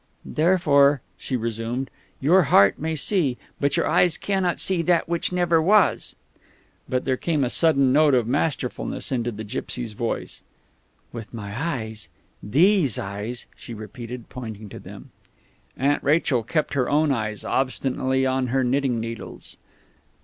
"Therefore," she resumed, "your heart may see, but your eyes cannot see that which never was." But there came a sudden note of masterfulness into the gipsy's voice. "With my eyes these eyes," she repeated, pointing to them. Aunt Rachel kept her own eyes obstinately on her knitting needles.